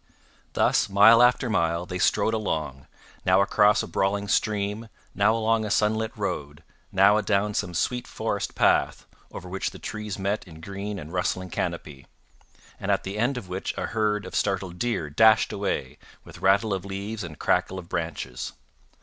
Thus, mile after mile, they strode along, now across a brawling stream, now along a sunlit road, now adown some sweet forest path, over which the trees met in green and rustling canopy, and at the end of which a herd of startled deer dashed away, with rattle of leaves and crackle of branches.